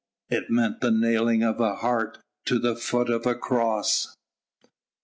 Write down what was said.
It meant the nailing of a heart to the foot of a cross.